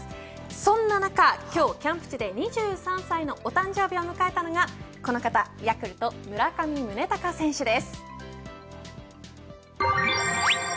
そんな中、今日キャンプ地で２３歳のお誕生日を迎えたのがこの方、ヤクルト村上宗隆選手です。